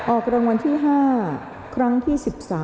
ออกรางวัลที่๕ครั้งที่๑๓